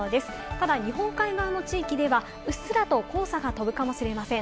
ただ日本海側の地域ではうっすらと黄砂が飛ぶかもしれません。